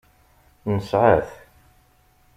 Nesεa-t.